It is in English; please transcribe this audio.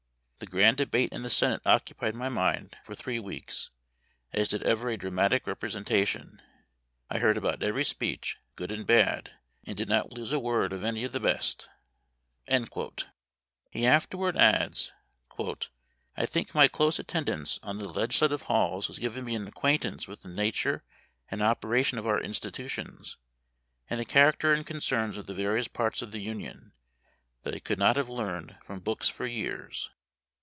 The grand debate in the Senate occupied my mind for three weeks as did ever a dramatic representation. I heard about every speech, good and bad, and did not lose a word of any of the best." He afterward adds, " I think my close attendance on the leg islative halls has given me an acquaintance with the nature and operation of our institutions, and the character and concerns of the various parts of the Union, that I could not have learned from books for years."